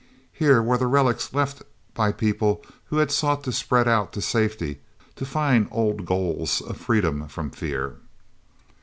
Here were the relics left by people who had sought to spread out to safety, to find old goals of freedom from fear.